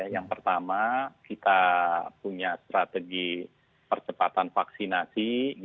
yang pertama kita punya strategi percepatan vaksinasi